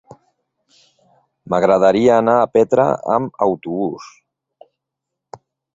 M'agradaria anar a Petra amb autobús.